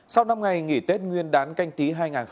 sau năm ngày nghỉ tết nguyên đán canh tí hai nghìn hai mươi